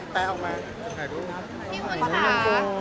ขอบคุณค่ะ